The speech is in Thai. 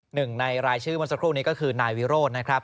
หนึ่งในรายชื่อเมื่อสักครู่นี้ก็คือนายวิโรธนะครับ